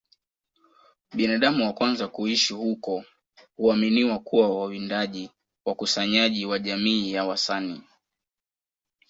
Binadamu wa kwanza kuishi huko huaminiwa kuwa wawindaji wakusanyaji wa jamii ya Wasani